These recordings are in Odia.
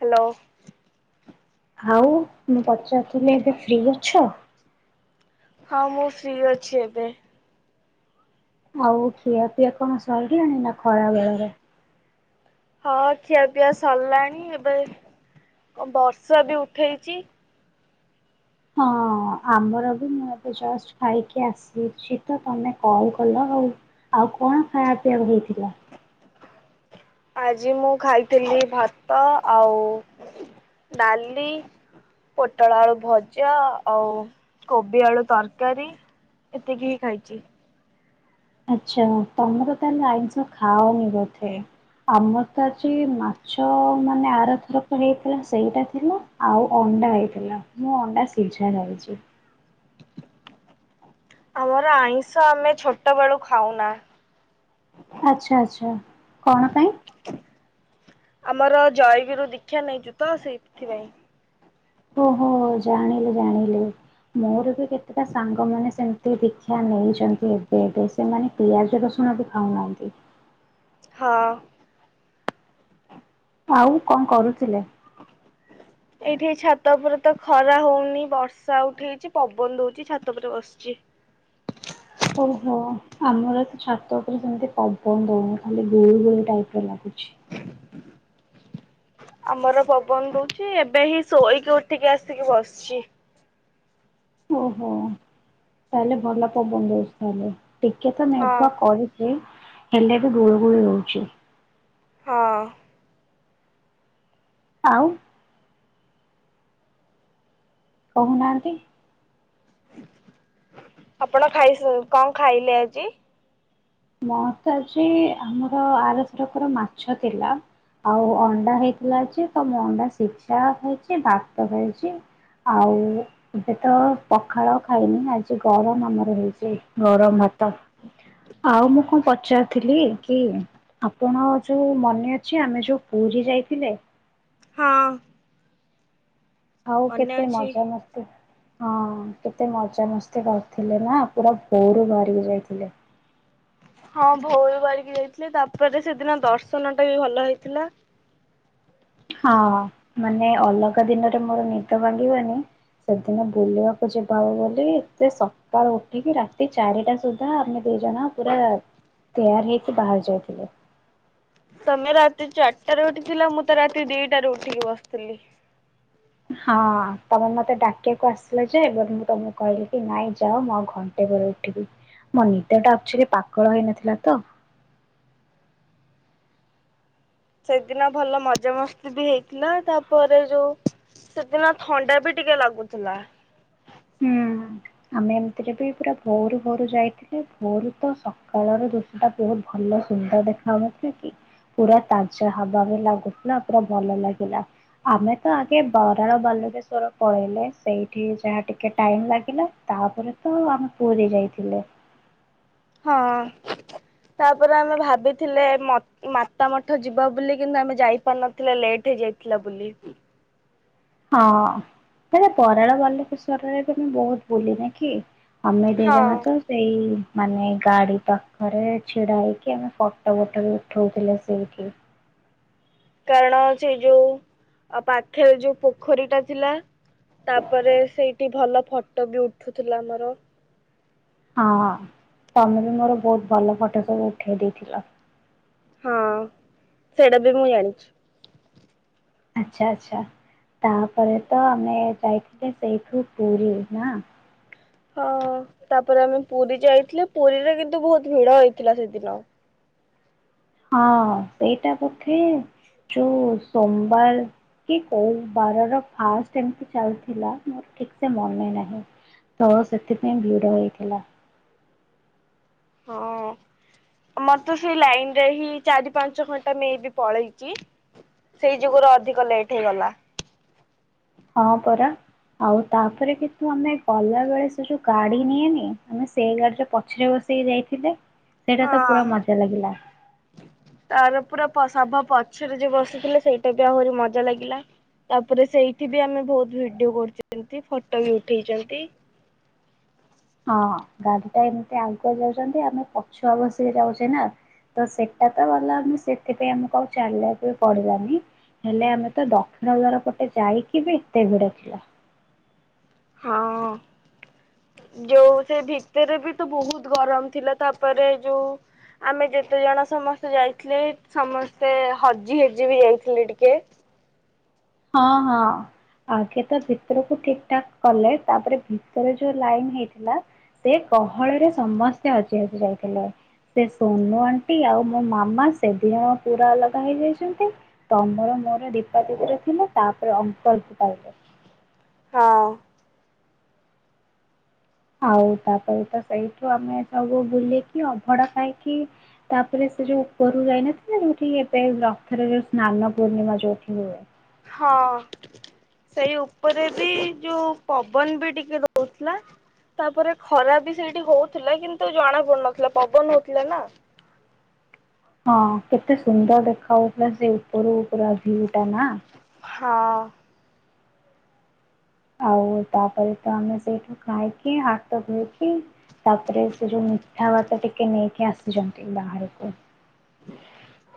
ହାଲୋ। ଆଉ ମୁଁ ପଚାରୁଥୁଲି ଏବେ ଫ୍ରି ଅଛ? ହଁ ମୁଁ ଫ୍ରୀ ଅଛି ଏବେ। ଆଉ ଖିଆ ପିଆ କଣ ସରିଲାଣି ନାଁ ଖରା ବେଳର ହଁ ଖିଆ ପିଆ ସରିଲାଣି ଏବେ କଁ ବର୍ଷା ବି ଉଠେଇଚି। ହଁ ଆମର ବି ମୁଁ ଏବେ ଜଷ୍ଟ ଖାଇକି ଆସିଚି ତ ତମେ କଲ କଲ। ଆଉ ଆଉ କଣ ଖାଇବା ପିଇବାକୁ ହେଇଥିଲା? ଆଜି ମୁଁ ଖାଇଥିଲି ଭାତ ଆଉ ଡାଲି ପୋଟଳ ଆଳୁ ଭଜା ଆଉ କୋବି ଆଳୁ ତରକାରୀ ଏତିକି ହିଁ ଖାଇଚି। ଆଚ୍ଛା ତମର ତାହେଲେ ଆଇଁଷ ଖାଅନି ବଧେ। ଆମର ତ ଆଜି ମାଛ ମାନେ ଆରଥରକ ହେଇଥିଲା ସେଇଟା ଥିଲା ଆଉ ଅଣ୍ଡା ହେଇଥିଲା ମୁଁ ଅଣ୍ଡା ସିଝା ଖାଇଚି। ଆମର ଆଇଁଷ ଆମେ ଛୋଟ ବେଳୁ ଖାଉନା। ଆଚ୍ଛା ଆଚ୍ଛା କଣ ପାଇଁ? ଆମର ଜୟଗୁରୁ ଦୀକ୍ଷା ନେଇଚି ତ ସେଇଥିପାଇଁ। ଓହୋ ଜାଣିଲି ଜାଣିଲି ମୋର ବି କେତେଟା ସାଙ୍ଗ ମାନ ସେମିତି ଦୀକ୍ଷା ନେଇଛନ୍ତି। ଏବେ ଏବେ ସେମାନେ ପିଆଜ ରସୁଣ ବି ଖାଉନାହାନ୍ତି। ହଁ। ଆଉ କଣ କରୁଥିଲେ? ଏଇଠି ଛାତ ଉପରେ ତ ଖରା ହଉନି ବର୍ଷା ଉଠେଇଛି ପବନ ଦଉଛି ଛାତ ଉପରେ ବସିଛି। ଓହୋ ଆମର ତ ଛାତ ଉପରେ ସେମତି ପବନ ଦଉନି ଖାଲି ଗୁଳିୁ ଗୁଳି ଟାଇପ ଲାଗୁଛି। ଆମର ପବନ ଦଉଛି ଏବେ ହିଁ ଶୋଇକି ଉଠିକି ଆସିକି ବସିଛି। ଓହୋ ତାହେଲେ ଭଲ ପବନ ଦଉଚି ତାହେଲେ। ଟିକେ ତ ହଁ ମେଘୁଆ କରିଛି। ହେଲେ ବି ଗୁଳୁ ଗୁଳି ହଉଛି। ହଁ। ଆଉ କହୁନାହାନ୍ତି। ଆପଣ ଖାଇ ସା କଣ ଖାଇଲେ ଆଜି? ମୋର ତ ଆଜି ଆମର ଆରଥରକର ମାଛ ଥିଲା ଆଉ ଅଣ୍ଡା ହେଇଥିଲା ଆଜି ତ ମୁ ଅଣ୍ଡା ସିଝା ହେଇଛି ଭାତ ହେଇଛି। ଆଉ ଏବେ ତ ପଖାଳ ଖାଇନି ଆଜି ଗରମ ଆମର ହେଇଛି ଗରମ ଭାତ। ଆଉ ମୁଁ କଣ ପଚାରିଥିଲି କି ଆପଣ ଯୋଉ ମନେ ଅଛି ଆମେ ଯୋଉ ପୁରୀ ଯାଇଥିଲେ। ହଁ। ଆଉ ମନେ କେତେ ଅଛି। ମଜାମସ୍ତି ହଁ କେତେ ମଜାମସ୍ତି କରିଥିଲେ ନା ପୁରା ଭୋରୁ ଭାରିକି ଯାଇଥିଲେ। ହଁ ଭୋରୁ ବାହାରିକି ଯାଇଥିଲେ। ତାପରେ ସେଦିନ ଦର୍ଶନ ଟା ବି ଭଲ ହେଇଥିଲା। ହଁ ମାନେ ଅଲଗା ଦିନରେ ମୋର ନିଦ ଭାଙ୍ଗିବନି ସେଦିନ ବୁଲିବାକୁ ଯିବା ହବ ବୋଲି ଏତେ ସକାଳୁ ଉଠିକି ରାତି ଚାରିଟା ସୁଦ୍ଧା ଆମେ ଦି ଜଣ ପୁରା ତେୟାର ହେଇକି ବାହାରି ଯାଇଥିଲେ। ତମେ ରାତି ଚାରିଟାରେ ଉଠିଥିଲା ମୁଁ ତ ରାତି ଦିଟାରେ ଉଠିକି ବସିଥିଲି। ହଁ ତମେ ମତେ ଡାକିବାକୁ ଆସିଲ ଯେ? ବଟ ମୁଁ ତମକୁ କହିଲି କି ନାଇଁ ଯାଅ ମୁଁ ଆଉ ଘଣ୍ଟେ ପରେ ଉଠିବି ମୋ ନିଦ ଟା ଆକ୍ଚୁଆଲି ପାାକଳ ହୋଇନଥିଲା ତ। ସେଦିନ ଭଲ ମଜା ମସ୍ତି ବି ହେଇଥିଲା ତାପରେ ଯୋଉ ସେଦିନ ଥଣ୍ଡା ବି ଟିକେ ଲାଗୁଥିଲା। ହୁଁ ଆମେ ଏମିତିରେ ବି ପୁରା ଭୋରୁ ଭୋରୁ ଯାଇଥିଲେ। ଭୋରୁ ତ ସକାଳର ଦୃଶ୍ୟ ଟା ବହୁତ ଭଲ ସୁନ୍ଦର ଦେଖାଯାଉନଥିଲେ କି ପୁରା ତାଜା ହାୱା ବି ଲାଗୁଥିଲା ପୁରା ଭଲ ଲାଗିଲା। ଆମେ ତ ଆଗେ ବାରାଳ ବାଲଗେଶ୍ଵର ପଳେଇଲେ ସେଇଠି ଯାହା ଟିକେ କେ ଟାଇମ ଲାଗିଲା ତାପରେ ତ ଆମେ ପୁରୀ ଯାଇଥିଲେ। ହଁ ତାପରେ ଆମେ ଭାବିଥିଲେ ମତ ମାତା ମଠ ଯିବା ବୋଲି କିନ୍ତୁ ଆମେ ଯାଇପାରିନଥିଲେ ଲେଟ୍ ହେଇଯାଇଥିଲା ବୋଲି। ହଁ ହେ ବାରାଳ ବାଲକେଶ୍ଵରରେ ବି ମୁଁ ବହୁତ ବୁଲିନି କି? ଆମେ ଦି ହଁ ଜଣ ତ ସେଇ ମାନେ ଗାଡି ପାଖରେ ଛିଡା ହେଇକି ଆମେ ଫଟୋ ଫଟ ବି ଉଠଉଥିଲେ ସେଇଠି। କାରଣ ସେଇ ଯୋଉ ପାଖରେ ଯୋଉ ପୋଖରୀ ଟା ଥିଲା ତାପରେ ସେଇଠି ଭଲ ଫଟୋ ବି ଉଠୁଥିଲା ଆମର। ହଁ ତମେ ବି ମୋର ବହୁତ ଭଲ ଫଟୋ ସବୁ ଉଠେଇ ଦେଇଥିଲ। ହଁ ସେଇଟା ବି ମୁଁ ଜାଣିଛି। ଆଛା ଆଚ୍ଛା ତାପରେ ତ ଆମେ ଯାଇଥିଲେ ସେଇଠୁ ପୁରୀ ନା। ହଁ ତାପରେ ଆମେ ପୁରୀ ଯାଇଥିଲେ ପୁରୀରେ କିନ୍ତୁ ବହୁତ ଭିଡ ହେଇଥିଲା ସେଦିନ। ହଁ ସେଇଟା ବୋଧେ ଯୋଉ ସୋମବାର କି କୋଉ ବାରର ଫାଷ୍ଟ ଏମିତି ଚାଲିଥିଲା ମୋର ଠିକ ସେ ମନେ ନାହିଁ ତ ସେଥିପାଇଁ ଭିଡ଼ ହେଇଥିଲା। ହଁ ମତେ ସେଇ ଲାଇନ ରେ ହିଁ ଚାରି ପାଞ୍ଚ ଘଣ୍ଟା ନେଇବି ପଳେଇଛି ସେଇ ଯୁଗରୁ ଅଧିକ ଲେଟ୍ ହେଇଗଲା। ହଁ ପରା ଆଉ ତାପରେ କିନ୍ତୁ ଆମେ ଗଲା ବେଳେ ସେ ଯୋଉ ଗାଡି ନିଏନି ଆମେ ସେଇ ଗାଡିରେ ପଛରେ ବସେଇକି ଯାଇଥିଲେ। ସେଇଟା ତ ପୁରା ମଜା ଲାଗିଲା। ହଁ ତାର ପୁର ସଭା ପଛରେ ଯ ବସିଥିଲେ ସେଇଟା ବି ଆହୁରି ମଜା ଲାଗିଲା ତାପରେ ସେଇଠି ବି ଆମେ ବହୁତ ଭିଡିଓ କରୁଛନ୍ତି ଫଟୋ ବି ଉଠେଇଛନ୍ତି। ହଁ ଗାଡିଟା ଏମିତି ଆଗୁଆ ଯାଉଛନ୍ତି ଆମେ ପଛୁଆ ବସିକି ଯାଉଛେ ନା ତ ସେଟା ତ ଗଲା ସେଥିପାଇଁ ଆମେ ଚାଲାକି କରିବାନି ହେଲେ ଆମେ ତ ଦକ୍ଷିଣଦ୍ଵାର ପଟେ ଯାଇକି ବି ଏତେ ଭିଡ ଥିଲା। ହଁ ଯୋଉ ସେ ଭିତରେ ବି ତ ବହୁତ ଗରମ ଥିଲା ତାପରେ ଯୋଉ ଆମେ ଯେତେ ଜଣ ସମସ୍ତେ ଯାଇଥିଲେ ସମସ୍ତେ ହଜି ହଜି ବି ଯାଇଥିଲେ ଟିକେ ହଁ ହଁ ଆଗେ ତ ଭିତରକୁ ଠିକ ଠାକ୍ କଲେ ତାପରେ ଭିତରେ ଯୋଉ ଲାଇନ ହେଇଥିଲା ସେ କହଳରେ ସମସ୍ତେ ହଜି ହଜି ଯାଇଥିଲେ ସେ ସୋନୁ ଆଣ୍ଟି ଆଉ ମୋ ମାମା ସେଦିନ ପୁରା ଅଲଗା ହେଇଯାଇଛନ୍ତି ତମର ମୋ ଦୀପା ଦରେ ତାପରେ ଅଙ୍କଳ ପାଇଲେ ହଁ ଆଉ ତାପରେ ତ ସେଇଠୁ ଆମେ ସବୁ ବୁଲିକି ଅଭଡା ଖାଇକି ତାପରେ ସେ ଯୋଉ ଉପରୁ ଯାଇନଥିଲା ଯୋଉଠି ଏବେ ରଥରେ ଯୋଉ ସ୍ନାନ ପୂର୍ଣ୍ଣିମା ଯୋଉଠି ହୁଏ। ହଁ ସେଇ ଉପରେ ବି ଯୋଉ ପବନ ବି ଟିକେ ଦଉଥିଲା ତାପରେ ଖରା ବି ସେଇଠି ହଉଥିଲା କିନ୍ତୁ ଜଣା ପଡୁନଥିଲା ପବନ ହଉଥିଲା ନା ହଁ କେତେ ସୁନ୍ଦର ଦେଖାଯାଉଥିଲା ସେ ଉପର ଉପର ଭିଉ ଟା ନା ହଁ ଆଉ ତାପରେ ତ ଆମେ ସେଇଠୁ ଖାଇକି ହାତ ଧୋଇକି ତାପରେ ସେ ଯୋଉ ମିଠା ଭାତ ଟିକେ ନେଇକି ଆସିଛନ୍ତି ବାହାରକୁ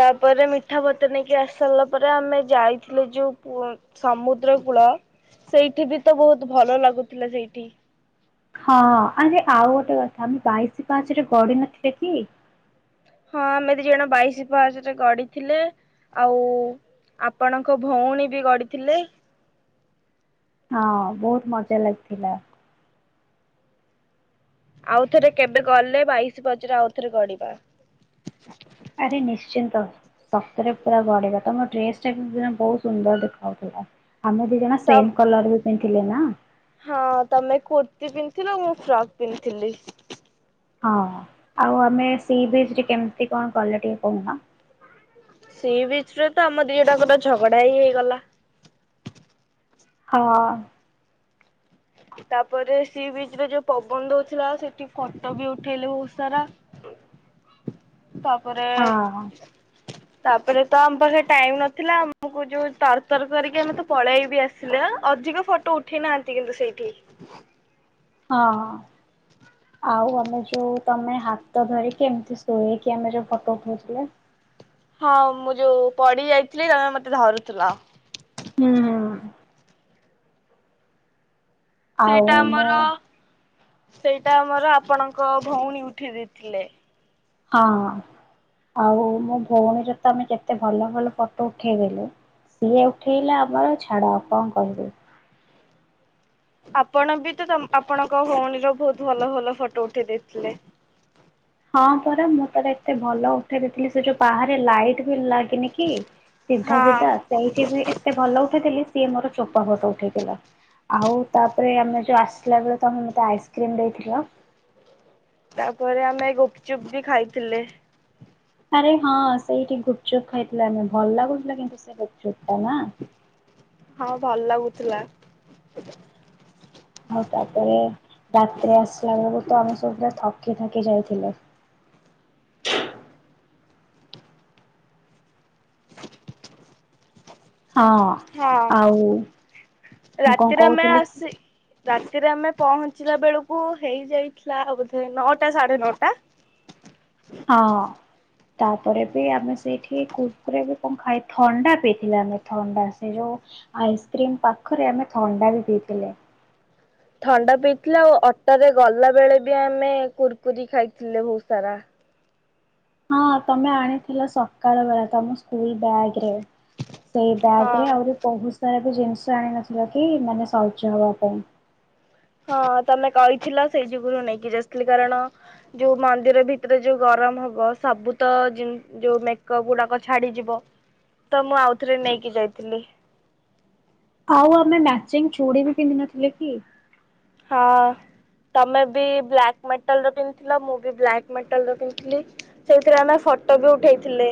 ତାପରେ ମିଠା ଭ। ତ ନେଇକି ଆସି ସାରିଲା ପରେ ଆମେ ଯାଇଥିଲେ ଯୋଉ ସମୁଦ୍ର କୂଳ ସେଇଠି ବି ତ ବହୁତ ଭଲ ଲାଗୁଥିଲା ସେଇଠି ହଁ ଆରେ ଆଉ ଗୋଟେ କଥା ଆମେ ବାଇଶି ପାହାଚରେ ଗଡି ନଥିଲେ କି? ହଁ ଆମେ ଦି ଜଣ ବାଇଶି ପାହାଚରେ ଗଡିଥିଲେ ଆଉ ଆପଣଙ୍କ ଭଉଣୀ ବି ଗଡିଥିଲେ। ହଁ ବହୁତ ମଜା ଲାଗିଥିଲା। ଆଉଥରେ କେବେ ଗଲେ ବାଇଶି ପାହାଚରେ ଆଉଥରେ ଗଡିବା ଆରେ ନିଶ୍ଚିନ୍ତ ସତରେ ପୁରା ଗଡିବା ତମ ଡ୍ରେସ ଟା କି ବହୁତ ସୁନ୍ଦର ଦେଖାଉଥିଲା। ଆମେ ଦି ଜଣ ତ ସେମ କଲର ସେଣ୍ତିିଲ ନା ହଁ ତମେ କୁର୍ତିୀ ପିନ୍ଧଥିଲ ମୁଁ ଫ୍ରକ୍ ପିନ୍ଧିଥିଲି। ହଁ ଆଉ ଆମେ ସି ବିଚ୍ ରେ କେମିତି କଣ କଲେ କହୁନା ସେଇ ବିଚ ରେ ତ ଆମ ଦିଟାକୁର ଝଗଡା ହି ହେଇଗଲା। ହଁ ତାପରେ ସି ବିଚ ରେ ଯୋଉ ପବନ ଦଉଥିଲା ସେଠି ଫଟୋ ବି ଉଠେଇଲେ ବହୁତ ସାରା ତାପରେ ହଁ ତାପରେ ତ ଆମ ପାଖରେ ଟାଇମ ନଥିଲା ଆମକୁ ଯୋଉ ତରତର କରିକି ଆମେ ତ ପଳେଇବି ଆସିଲେ ଅଧିକ ଫଟୋ ଉଠେଇ ନାହାନ୍ତି କିନ୍ତୁ ସେଇ କି? ହଁ ଆଉ ଆମେ ଯୋଉ ତମେ ହାତ ଧରିକି ଏମିତି ଶୋଇକି ଆମେ ଯୋଉ ଫଟୋ ଉଠାଉଥିଲେ। ହଁ ମୁଁ ଯୋଉ ପଡି ଯାଇଥିଲି ତମେ ମତେ ଧରୁଥୁଲ। ହୁଁ ସେଇଟା ଆଉ ମୋ ଆମର ସେଇଟା ଆମର ଆପଣଙ୍କ ଭଉଣୀ ଉଠେଇ ଦେଇଥିଲେ। ହଁ ଆଉ ମୋ ଭଉଣୀର ତମେ କେତେ ଭଲ ଭଲ ଫଟୋ ଉଠେଇ ଦେଲ ସିଏ ଉଠେଇଲା ବେ ଛାଡ କଣ କହିବି? ଆପଣ ବି ତ ଆପଣଙ୍କ ଭଉଣୀର ବହୁତ ଭଲ ଭଲ ଫଟୋ ଉଠେଇ ଦେଇଥିଲେ। ହଁ ପରା ମୁଁ ତାର ଏତେ ଭଲ ଉଠେଇ ଦେଇଥିଲି ସେ ଯୋଉ ବାହାରେ ଲାଇଟ। ଲାଗିନି କି ସିଧା ହଁ ସିଧା ସେଇଠି ବି ଏତେ ଭଲ ଉଠେଇଥିଲି ସିଏ ମୋର ଚୋପା ଫଟ ଉଠେଇଥିଲା ଆଉ ତାପରେ ଆମେ ଯୋଉ ଆସିଲା ବେଳେ ତମେ ମତେ ଆଇସ୍କ୍ରିମ ଦେଇଥିଲ। ତାପରେ ଆମେ ଗୁପଚୁପ ବି ଖାଇଥିଲେ। ଆରେ ହଁ ସେଇଠି ଗୁପଚୁପ ଖାଇଥିଲେ ଆମେ ଭଲ ଲାଗୁଥିଲା କିନ୍ତୁ ସେ ଗୁପଚୁପ ଟା ନା। ହଁ ଭଲ ଲାଗୁଥିଲା। ହଉ ତାପରେ ରାତ୍ରିରେ ଆସିଲା ବେଳକୁ ତ ଆମ ତ ପୁରା ଥକି ଥକି ଯାଇଥିଲେ। ହଁ ହଁ। ଆଉ ମୁଁ କଣ ରାତିରେ ଆମେ କହୁଥିଲି କି? ଆସି ରାତିରେ ଆମେ ପହଞ୍ଚିଲା ବେଳକୁ ହେଇଯାଇଥିଲା ବୋଧେ ନଅଟା ସାଢେ ନଅଟା। ହଁ ତାପରେ ବି ଆମେ ସେଇଠି କୁରକୁରି ବି କଣ ଖାଇ ଥଣ୍ଡା ପିଇଥିଲେ ଆମେ ଥଣ୍ଡା ସେ ଯୋଉ ଆଇସ୍କ୍ରିମ ପାଖରେ ଆମେ ଥଣ୍ଡା ବି ପିଇଥିଲେ। ଥଣ୍ଡା ପିଇଥିଲେ ଆଉ ଅଟୋରେ ଗଲା ବେଳେ ବି ଆମେ କୁୁରକୁରି ଖାଇଥିଲେ ବହୁତ ସାରା। ହଁ ତମେ ଆଣିଥିଲ ସକାଳ ବେଳା ତମ ସ୍କୁଲ ବ୍ୟାଗ ରେ ସେଇ ବ୍ୟାଗରେ ହଁ ଆହୁରି ବହୁତ ସାରା ସବୁ ଜିନିଷ ଆଣିନଥିଲ କି ମାନେ ସଜହବା ପାଇଁ ହଁ ତମେ କହିଥିଲ ସେଇ ଯୁଗୁରୁ ନେଇକି ଯାଇଥିଲି କାରଣ ଯୋଉ ମନ୍ଦିର ଭିତରେ ଯୋଉ ଗରମ ହବ ସବୁ ତ ଯୋଉ ମେକଅପ ଗୁଡାକ ଛାଡିଯିବ ତ ମୁଁ ଆଉଥରେ ନେଇକି ଯାଇଥିଲି। ଆଉ ଆମେ ମ୍ୟାଚିଂ ଚୁଡି ବି ପିନ୍ଧି ନଥିଲେ କି। ହଁ ତମେ ବି ବ୍ଲାକ୍ ମେଟାଲ ର ପିନ୍ଧିଥିଲ ମୁଁ ବି ବ୍ଲାକ୍ ମେଟାଲ ର ପିନ୍ଧଥିଲି ସେଇଥିରେ ଆମେ ଫଟୋ ବି ଉଠେଇଥିଲେ।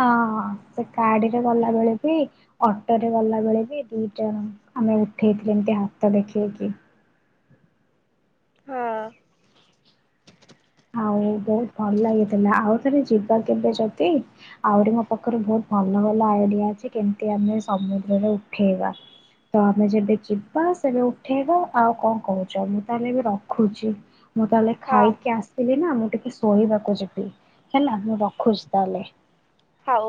ହଁ ସେ ଗାଡିରେ ଗଲାବେେଳେ ବି ଅଟରେ ଗଲା ବେଳେ ବି ଦି ଜଣ ଆମେ ଉଠେଇଥିଲେ ଏମତି ହାତ ଦେଖେଇକି। ହଁ। ଆଉ ବହୁତ ଭଲ ଲାଗିଥିଲା ଆଉ ତାହେଲେ ଯିବା କେବେ ଯଦି ଆହୁରିଙ୍କ ପାଖରୁ ବହୁତ ଭଲ ଭଲ ଆଇଡିଆ ଅଛି କେମିତି ଆମେ ସମୁଦ୍ରରେ ଉଠେଇବା ତ ଆମେ ଯେବେ ଯିବା ସେବେ ଉଠେଇବା ଆଉ କଣ କହୁଛ ମୁଁ ତାହେଲେ ଏବେ ରଖୁଛି। ମୁଁ ତାହେଲେ ଖାଇକି ଆସି ଥିଲିନା ମୁଁ ଟିକେ ଶୋଇବାକୁ ଯିବି ହେଲା ମୁଁ ରଖୁଛି ତାହେଲେ। ହଉ।